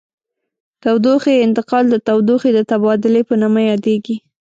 تودوخې انتقال د تودوخې د تبادل په نامه یادیږي.